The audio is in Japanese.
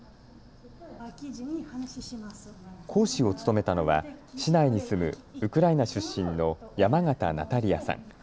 講師を務めたのは市内に住むウクライナ出身のヤマガタ・ナタリアさん。